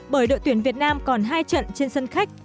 bởi đội tuyển việt nam còn hai trận trên sân khách